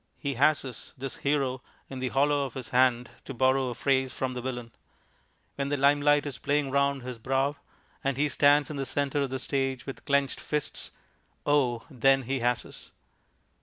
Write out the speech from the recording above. He has us, this Hero, in the hollow of his hand (to borrow a phrase from the Villain). When the limelight is playing round his brow, and he stands in the centre of the stage with clenched fists, oh! then he has us.